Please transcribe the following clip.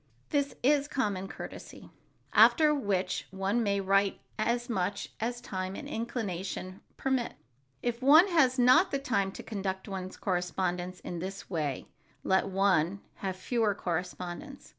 This is common courtesy. After which one may write as much as time and inclination permit. If one has not the time to conduct one's correspondence in this way, let one have fewer correspondents.